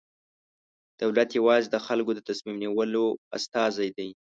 دولت یوازې د خلکو د تصمیم نیولو استازی دی.